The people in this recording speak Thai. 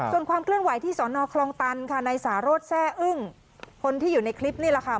ส่วนความเคลื่อนไหวที่สอนอคลองตันค่ะในสารสแซ่อึ้งคนที่อยู่ในคลิปนี่แหละค่ะ